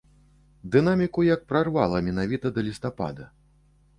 Дынаміку як прарвала менавіта да лістапада.